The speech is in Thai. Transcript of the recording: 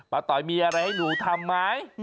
เปราะต๋อยมีอะไรให้หนูทำไหม